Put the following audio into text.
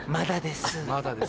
まだです。